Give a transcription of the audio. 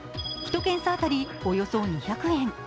１検査当たり、およそ２００円。